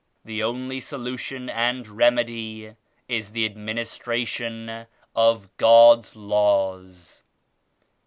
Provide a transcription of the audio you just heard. The only solution and remedy is the administration of God's Laws."